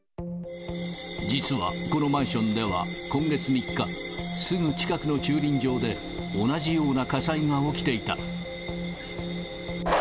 実はこのマンションでは、今月３日、すぐ近くの駐輪場で、同じような火災が起きていた。